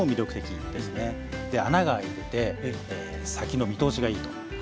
で穴が開いてて先の見通しがいいと。